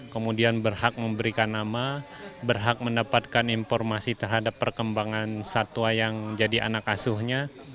kemudian berhak memberikan nama berhak mendapatkan informasi terhadap perkembangan satwa yang jadi anak asuhnya